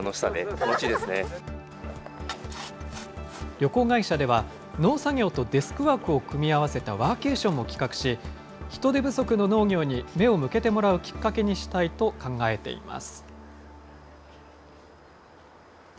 旅行会社では、農作業とデスクワークを組み合わせたワーケーションも企画し、人手不足の農業に目を向けてもらうきっかけにしたいと考えています。